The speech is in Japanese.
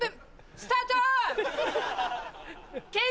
スタート！